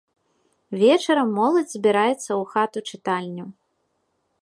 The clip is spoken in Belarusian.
Вечарам моладзь збіраецца ў хату-чытальню.